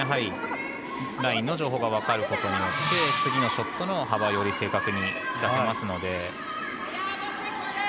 ラインの情報が分かることによって次のショットの幅をより正確に出せますので。